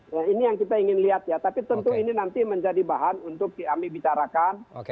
nah ini yang kita ingin lihat ya tapi tentu ini nanti menjadi bahan untuk kami bicarakan